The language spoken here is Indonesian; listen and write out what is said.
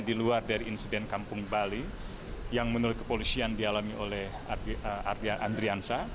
di luar dari insiden kampung bali yang menurut kepolisian dialami oleh andriansa